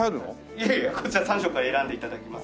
いやいやこちら３色から選んで頂きます。